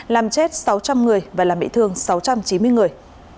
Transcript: làm chết sáu trăm linh người và làm bị thương sáu trăm chín mươi người